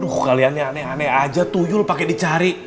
aduh kalian aneh aneh aja tuyul pake dicari